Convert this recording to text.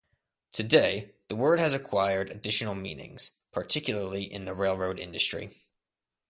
Today the word has acquired additional meanings, particularly in the railroad industry.